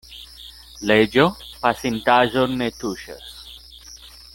Leĝo pasintaĵon ne tuŝas.